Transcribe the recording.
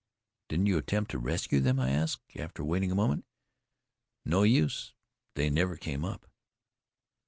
"Didn't you attempt to rescue them?" I asked, after waiting a moment. "No use. They never came up."